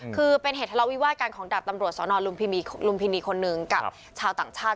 คือเป็นเหตุทะเลาวิวาสกันของดาบตำรวจสนลุมพินีลุมพินีคนหนึ่งกับชาวต่างชาติ